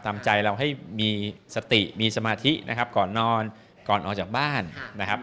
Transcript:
ตามใจเราให้มีสติมีสมาธินะครับก่อนนอนก่อนออกจากบ้านนะครับ